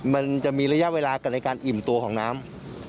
มันจะมีระยะเวลากันในการอิ่มตัวของน้ำ